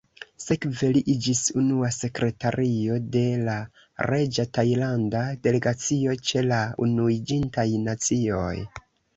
Sekve li iĝis unua sekretario de la reĝa tajlanda delegacio ĉe la Unuiĝintaj Nacioj.